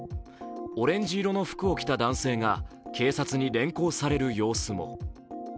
オレンジ色の服を着た男性が警察に連行される様子も。